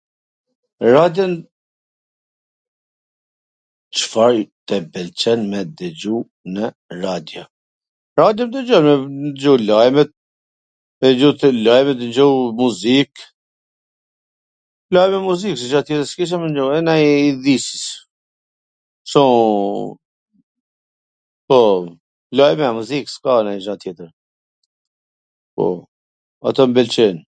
Cfar tw pwlqen me dwgju nw radjo? Radjo dwgjoj, dwgjoj lajmet, lajmet tu dgju, muzik, lajme e muzik se xha tjetwr s ke Ca me ndwgju, edhe na njw eidhisis, po, lajme e muzik, s ka Ca me dgju tjetwr, po, ato m pwlqejn.